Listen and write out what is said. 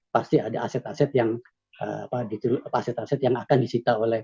pasti ada aset aset yang akan disita oleh